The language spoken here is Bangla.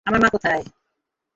আমার মা কোথায়?